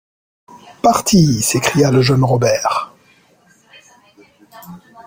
Parti! s’écria le jeune Robert.